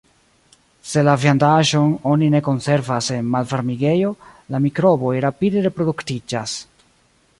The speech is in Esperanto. Se la viandaĵon oni ne konservas en malvarmigejo, la mikroboj rapide reproduktiĝas.